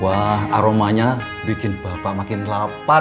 wah aromanya bikin bapak makin lapar